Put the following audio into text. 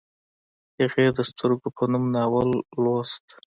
هغې د سترګې په نوم ناول لوست